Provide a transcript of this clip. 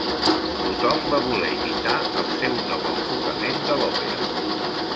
Tothom va voler imitar el seu nou enfocament de l'òpera.